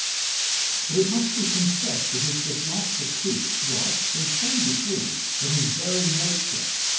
But it must be confessed that his dislike for priests was, in some degree, in his very nature.